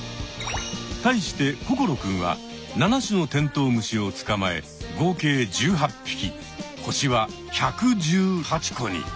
対して心くんは７種のテントウムシをつかまえ合計１８ぴき星は１１８個に！